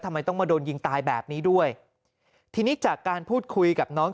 ทำไมต้องมาโดนยิงตายแบบนี้ด้วยทีนี้จากการพูดคุยกับน้อง